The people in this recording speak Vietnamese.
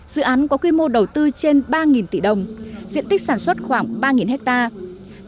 dự án có quy mô đầu tư trên ba tỷ đồng diện tích sản xuất khoảng ba hectare